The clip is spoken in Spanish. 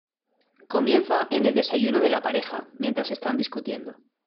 Comienza en el desayuno de la pareja, mientras están discutiendo.